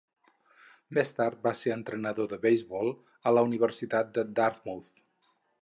Més tard va ser entrenador de beisbol a la Universitat de Dartmouth.